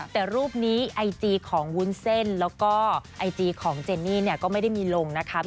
แต่รูปนี้ไอจีของวุ้นเส้นแล้วก็ไอจีของเจนนี่เนี่ยก็ไม่ได้มีลงนะคะ